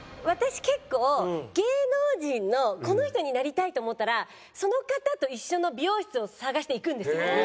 私結構芸能人のこの人になりたいと思ったらその方と一緒の美容室を探して行くんですよ。